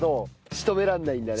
仕留められないんだね。